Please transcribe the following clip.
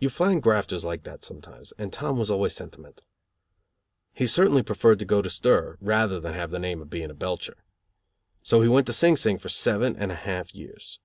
You find grafters like that sometimes, and Tom was always sentimental. He certainly preferred to go to stir rather than have the name of being a belcher. So he went to Sing Sing for seven and a half years.